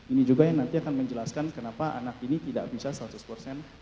ini juga yang nanti akan menjelaskan kenapa anak ini tidak bisa seratus persen